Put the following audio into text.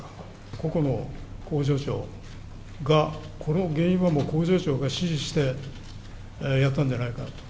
個々の工場長が、この原因はもう工場長が指示してやったんじゃないかと。